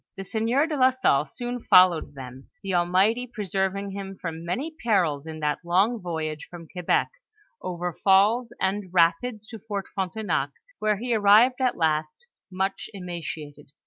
The sieur de la Salle soon ibllowed them, the Al mighty preserving him from many perils in that long voyage from Quebec, over falls and rapids to Fort Frontenac, where he arrived at last, much emaciated.